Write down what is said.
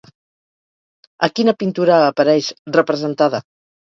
A quina pintura apareix representada?